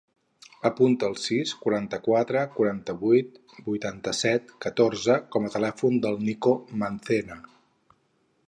Apunta el sis, quaranta-quatre, quaranta-vuit, vuitanta-set, catorze com a telèfon del Nico Mancera.